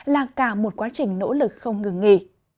là cả một quá trình nỗ lực không ngừng nghỉ